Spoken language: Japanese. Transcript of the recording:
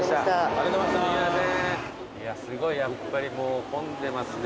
いやすごいやっぱり混んでますね。